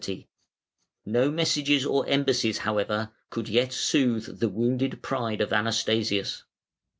] No messages or embassies, however, could yet soothe the wounded pride of Anastasius.